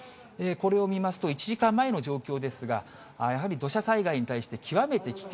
これを見ますと、１時間前の状況ですが、やはり土砂災害に対して極めて危険。